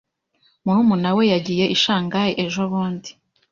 Murumuna we yagiye i Shanghai ejobundi.